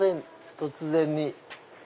突然に。